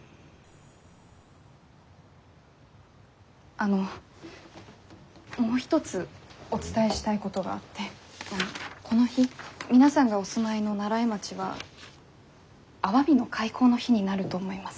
あのもう一つお伝えしたいことがあってこの日皆さんがお住まいの西風町はアワビの開口の日になると思います。